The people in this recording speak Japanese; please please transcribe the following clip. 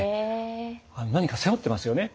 何か背負ってますよね。